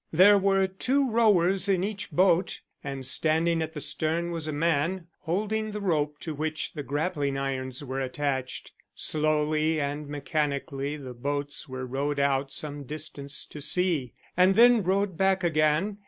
There were two rowers in each boat, and standing at the stern was a man holding the rope to which the grappling irons were attached. Slowly and mechanically the boats were rowed out some distance to sea, and then rowed back again.